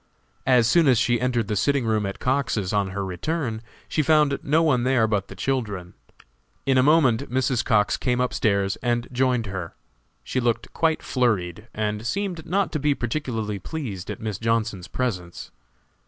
As soon as she entered the sitting room at Cox's, on her return, she found no one there but the children. In a moment Mrs. Cox came up stairs and joined her. She looked quite flurried, and seemed not to be particularly pleased at Miss Johnson's presence.